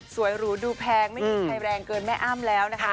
หรูดูแพงไม่มีใครแรงเกินแม่อ้ำแล้วนะคะ